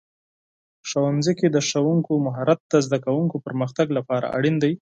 ښوونځي کې د ښوونکو مهارت د زده کوونکو پرمختګ لپاره اړین دی.